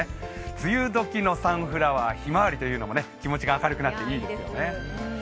梅雨時のサンフラワーひまわりというのも気持ちが明るくなっていいですよね。